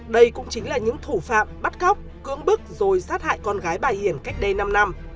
đây cũng chính là những thủ phạm bắt cóc cưỡng bức rồi sát hại con gái bà hiền cách đây năm năm